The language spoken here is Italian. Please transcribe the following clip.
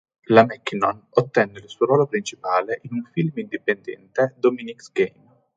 La Mackinnon ottenne il suo ruolo principale in un film indipendente "Dominique's Game".